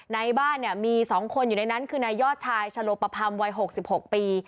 ในบ้านเนี่ยมี๒คนอยู่ในนั้นคือนายยอดชายชะโลปพรรมวัย๖๖ปี